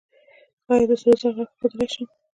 ایا زه د سرو زرو غاښ ایښودلی شم؟